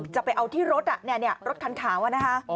จะไปเอาที่รถอ่ะเนี่ยรถคันขาวอ่ะนะคะ